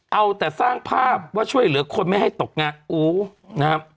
เอาแต่สร้างภาพว่าช่วยเหลือคนไม่ให้ตกงาก